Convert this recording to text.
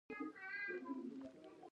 ټپي ته باید له یخنۍ وساتل شي.